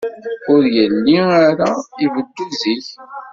Ur yelli ara ibeddu zik.